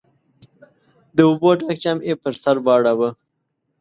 د اوبو ډک جام يې پر سر واړاوه.